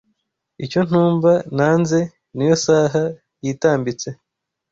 icyo ntumva nanze niyo saha yitambitse